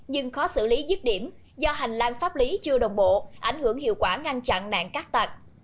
nhưng khó xử lý dứt điểm do hành lang pháp lý chưa đồng bộ ảnh hưởng hiệu quả ngăn chặn nạn các tạc